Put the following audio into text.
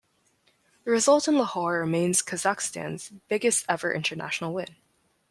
The result in Lahore remains Kazakhstan's biggest-ever international win.